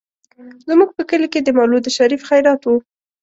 زموږ په کلي کې د مولود شريف خيرات و.